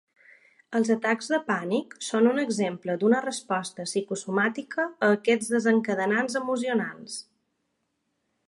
Els atacs de pànic són un exemple d'una resposta psicosomàtica a aquests desencadenants emocionals.